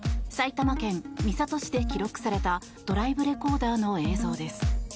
埼玉県三郷市で記録されたドライブレコーダーの映像です。